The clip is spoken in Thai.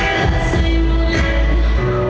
สวัสดีครับ